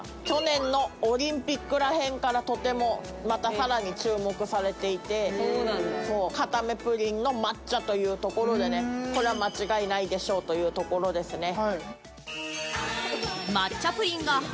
去年のオリンピックら辺からとてもまた更に注目されていて固めプリンの抹茶というところでね、これは間違いないでしょうというところです。